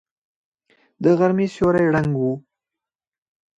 د غرمې سیوری ړنګ و.